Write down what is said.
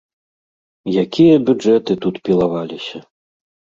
Якія бюджэты тут пілаваліся!